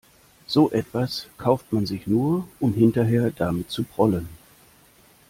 So etwas kauft man sich nur, um hinterher damit zu prollen.